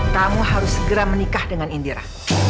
tamu harus segera menikah dengan indira